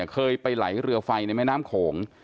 เคยไปไหลเรือไฟในแม่น้ำโขง